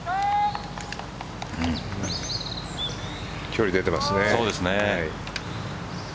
距離でてますね。